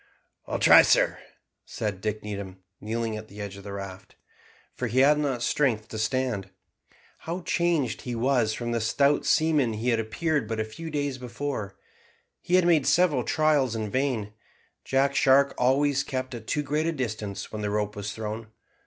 "I'll try, sir," said Dick Needham, kneeling at the edge of the raft, for he had not strength to stand. How changed he was from the stout seaman he had appeared but a few days before. He made several trials in vain. Jack Shark always kept at too great a distance when the rope was thrown.